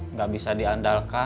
nggak bisa diandalkan